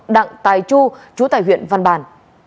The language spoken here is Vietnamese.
đặng tài chu chú tại huyện văn bàn